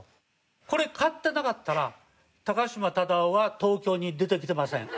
これ買ってなかったら高島忠夫は東京に出てきてません。